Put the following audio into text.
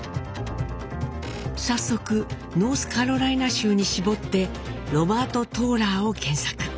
早速ノースカロライナ州に絞って「ロバート・トーラー」を検索。